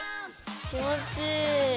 気持ちいい！